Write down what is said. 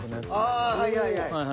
［ああはいはいはい］